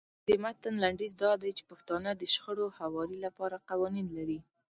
د متن لنډیز دا دی چې پښتانه د شخړو هواري لپاره قوانین لري.